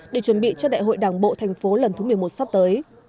để chuẩn bị cho đại hội đảng bộ tp hcm lần thứ một mươi một sắp tới